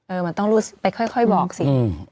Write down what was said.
เออมันต้องรู้ซิปไปค่อยค่อยบอกสิอืม